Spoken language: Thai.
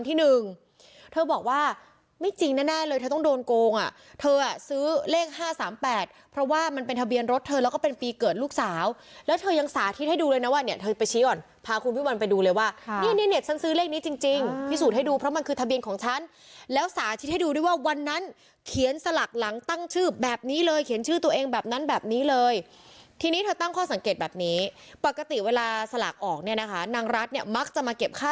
เธอไปชี้ก่อนพาคุณพี่วันไปดูเลยว่านี่นี่เน็ตฉันซื้อเลขนี้จริงจริงพิสูจน์ให้ดูเพราะมันคือทะเบียนของฉันแล้วสาชิดให้ดูด้วยว่าวันนั้นเขียนสลักหลังตั้งชื่อแบบนี้เลยเขียนชื่อตัวเองแบบนั้นแบบนี้เลยทีนี้เธอตั้งข้อสังเกตแบบนี้ปกติเวลาสลักออกเนี้ยนะคะนางรัฐเนี้ยมักจะมาเก็บค่